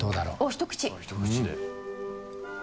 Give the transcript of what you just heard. ひと口で。